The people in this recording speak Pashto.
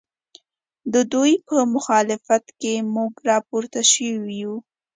ددوی په مخالفت کې موږ راپورته شوي یو